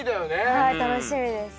はい楽しみです。